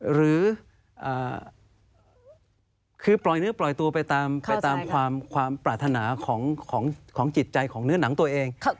หรือคือปล่อยเนื้อปล่อยตัวไปตามความปรารถนาของจิตใจของเนื้อหนังตัวเอง